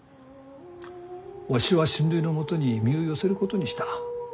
わしは親類のもとに身を寄せることにした。